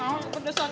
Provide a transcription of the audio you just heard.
oh pedes santan